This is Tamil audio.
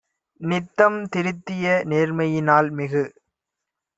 நித்தம் திருத்திய நேர்மையி னால்மிகு